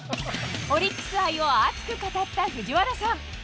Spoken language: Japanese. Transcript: オリックス愛を熱く語った藤原さん。